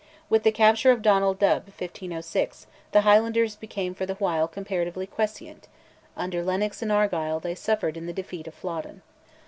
With the capture of Donald Dubh (1506) the Highlanders became for the while comparatively quiescent; under Lennox and Argyll they suffered in the defeat of Flodden.